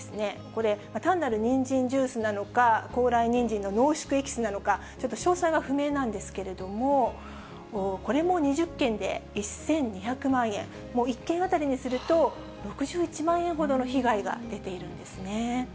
これ、単なる人参ジュースなのか、高麗人参の濃縮エキスなのか、ちょっと詳細は不明なんですけれども、これも２０件で１２００万円、１件当たりにすると６１万円ほどの被害が出ているんですね。